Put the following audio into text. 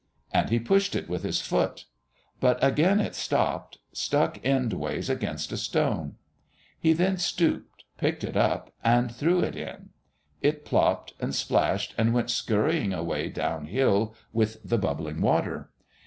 And he pushed it with his foot. But again it stopped, stuck end ways against a stone. He then stooped, picked it up, and threw it in. It plopped and splashed, and went scurrying away downhill with the bubbling water.